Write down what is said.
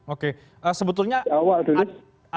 oke sebetulnya ada berapa